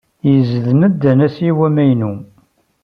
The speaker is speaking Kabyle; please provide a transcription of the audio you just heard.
Yezdem-d anasiw amaynu.